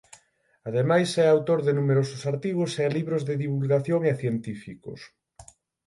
Ademais é autor de numerosos artigos e libros de divulgación e científicos.